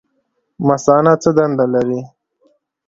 مثانه څه دنده لري؟